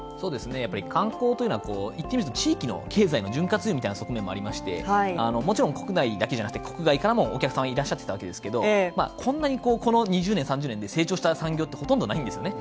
やっぱり観光というのはこう言ってると地域の経済の潤滑油みたいな側面もありましてもちろん国内だけじゃなくて国外からもお客様いらっしゃったわけですけどこんなにこの２０年３０年で成長した産業ってほとんどないんですよね。